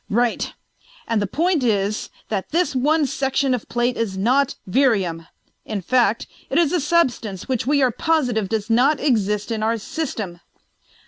"Right. And the point is that this one section of plate is not Virium! In fact, it is a substance which we are positive does not exist in our system!"